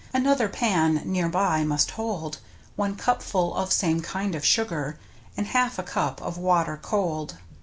Another pan near by must hold One cupful of same kind of sugar, And half a cup of water cold.